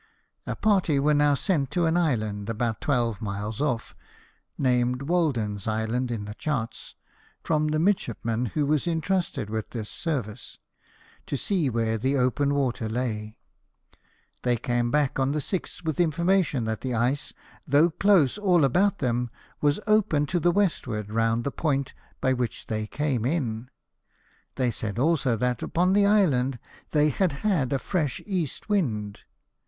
A party were now sent to an island, about twelve miles off (named Walden's Island in the charts, from 10 LIFE OF NELSON. the midshipman who was intrusted with this service), to see where the open water lay. They came back on the 6th, with information that the ice, though close all about them, was open to the westward, round the point by which they came in. They said also, that upon the island they had had a fresh east wind.